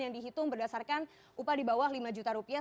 yang dihitung berdasarkan upah di bawah lima juta rupiah